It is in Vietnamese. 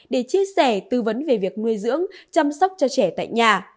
để chia sẻ tư vấn về việc nuôi dưỡng chăm sóc cho trẻ tại nhà